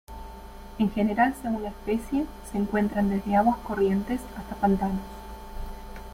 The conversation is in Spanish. En general según la especie se encuentran desde aguas corrientes hasta pantanos.